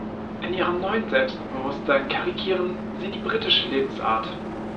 In ihrem neuen Selbstbewusstsein karikieren sie die britische Lebensart.